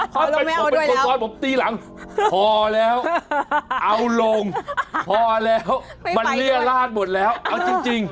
ถ้าผมเป็นคนซ้อนผมตีหลังพอแล้วเอาลงพอแล้วมันเรียราชหมดแล้วเอาจริง